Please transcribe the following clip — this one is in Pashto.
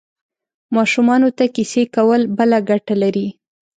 ماشومانو ته کیسې کول بله ګټه لري.